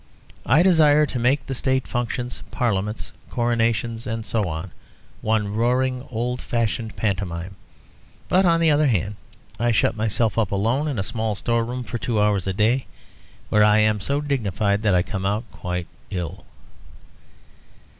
I desire to make the State functions, parliaments, coronations, and so on, one roaring old fashioned pantomime. But, on the other hand, I shut myself up alone in a small store room for two hours a day, where I am so dignified that I come out quite ill."